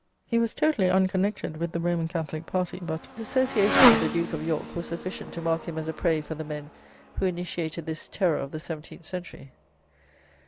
He was totally unconnected with the Roman Catholic party, but his association with the Duke of York was sufficient to mark him as a prey for the men who initiated this "Terror" of the seventeenth century.